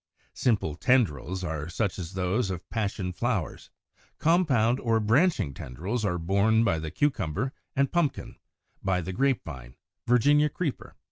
Simple tendrils are such as those of Passion flowers (Fig. 92). Compound or branching tendrils are borne by the Cucumber and Pumpkin, by the Grape Vine, Virginia Creeper, etc.